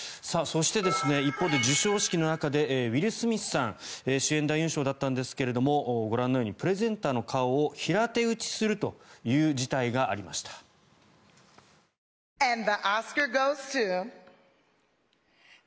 そして一方で授賞式の中でウィル・スミスさん主演男優賞だったんですがご覧のようにプレゼンターの顔を平手打ちするという事態がありました。